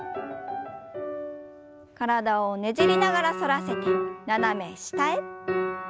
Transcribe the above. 体をねじりながら反らせて斜め下へ。